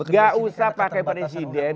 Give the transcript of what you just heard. gak usah pakai presiden